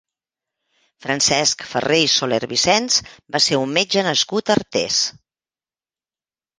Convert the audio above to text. Francesc Ferrer i Solervicens va ser un metge nascut a Artés.